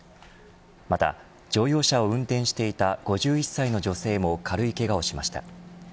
また乗用車を運転していた５１歳の女性も軽いけがをしました。